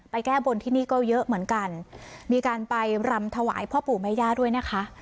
แก้บนที่นี่ก็เยอะเหมือนกันมีการไปรำถวายพ่อปู่แม่ย่าด้วยนะคะ